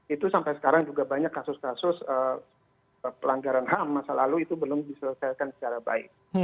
itu sampai sekarang juga banyak kasus kasus pelanggaran ham masa lalu itu belum diselesaikan secara baik